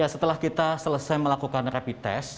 setelah kita selesai melakukan rapid test